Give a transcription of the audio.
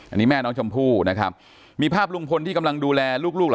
อันนี้แม่น้องชมพู่นะครับมีภาพลุงพลที่กำลังดูแลลูกลูกเหรอ